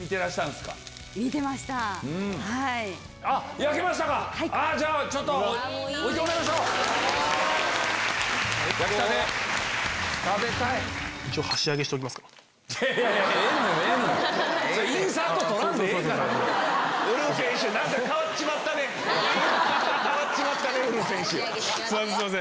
すいません。